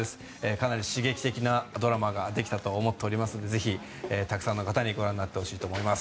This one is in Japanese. かなり刺激的なドラマができたと思っておりますのでぜひたくさんの方にご覧になってほしいと思います。